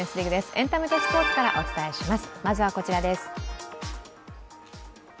エンタメとスポーツからお伝えします。